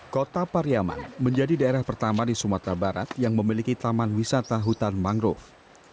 kota pariaman menjadi daerah pertama di sumatera barat yang memiliki taman wisata hutan mangrove